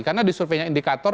karena di surveinya indikator